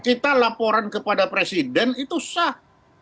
kita laporan kepada presiden itu sah